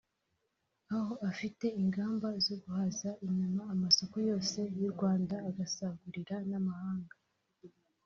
aho afite ingamba zo guhaza inyama amasoko yose y’u Rwanda agasagurira n’amahanga